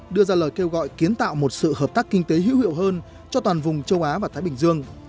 đưa ra lời kêu gọi kiến tạo một sự hợp tác kinh tế hữu hiệu hơn cho toàn vùng châu á và thái bình dương